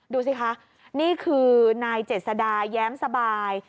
ดูสิคะนี่คือนายเจษดาแย้มสบาย